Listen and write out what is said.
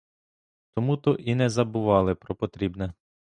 Тому-то і не забували про потрібне.